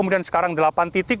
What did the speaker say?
dua jam delapan titik